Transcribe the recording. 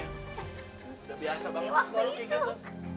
udah biasa banget kayak gitu